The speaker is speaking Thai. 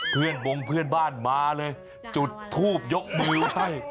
บงเพื่อนบ้านมาเลยจุดทูบยกมือให้